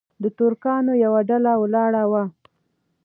د ترکانو یوه ډله ولاړه وه.